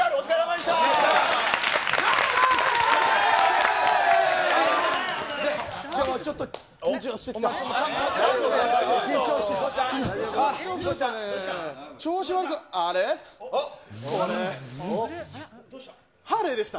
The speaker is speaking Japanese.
でもちょっと、緊張して。